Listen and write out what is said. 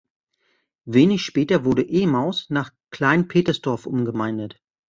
Wenig später wurde "Emaus" nach Klein Petersdorf umgemeindet.